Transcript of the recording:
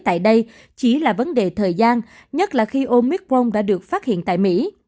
tại đây chỉ là vấn đề thời gian nhất là khi omicron đã được phát hiện tại mỹ